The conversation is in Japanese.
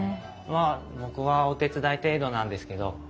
まあ僕はお手伝い程度なんですけど。